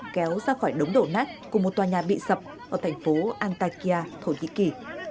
kéo ra khỏi đống đổ nát của một tòa nhà bị sập ở thành phố antakia thổ nhĩ kỳ